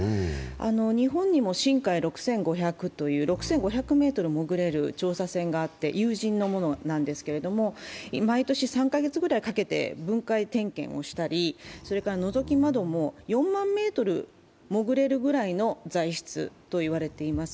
日本にも「深海６５００」という、６５００ｍ潜れる調査船があって、有人のものなんですが、毎年３か月ぐらいかけて点検などをしたり、それからのぞき窓も４万ｍ潜れるぐらいの材質といわれています。